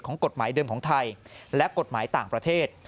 กฎหมายเดิมของไทยและกฎหมายต่างประเทศ